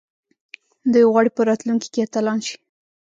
دوی غواړي په راتلونکي کې اتلان شي.